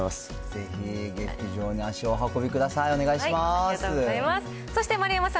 ぜひ劇場に足をお運びください。